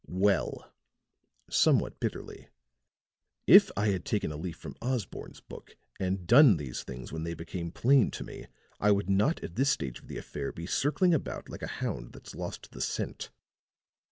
Well," somewhat bitterly, "if I had taken a leaf from Osborne's book, and done these things when they became plain to me, I would not at this stage of the affair be circling about like a hound that's lost the scent."